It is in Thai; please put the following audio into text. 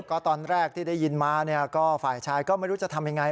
ก็ตอนแรกที่ได้ยินมาเนี่ยก็ฝ่ายชายก็ไม่รู้จะทำยังไง